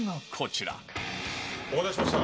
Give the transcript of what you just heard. お待たせしました。